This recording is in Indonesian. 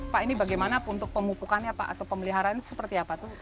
pak ini bagaimana untuk pemupukannya pak atau pemeliharaan seperti apa tuh